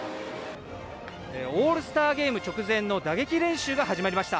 オールスターゲーム直前の打撃練習が始まりました。